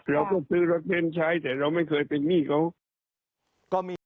เราก็ซื้อรถเน้นใช้แต่เราไม่เคยเป็นหนี้เขาก็มี